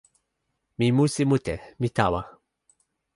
mi musi mute. mi tawa.